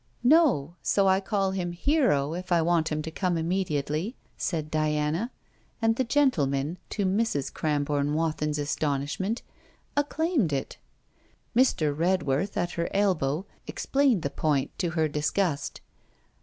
No, so I call Hero! if I want him to come immediately,' said Diana, and the gentlemen, to Mrs. Cramborne Wathin's astonishment, acclaimed it. Mr. Redworth, at her elbow, explained the point, to her disgust...